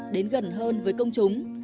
đến gần hơn với công chúng